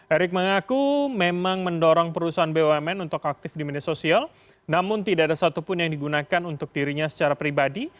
erick mengaku memang mendorong perusahaan bumn untuk aktif di media sosial namun tidak ada satupun yang digunakan untuk dirinya secara pribadi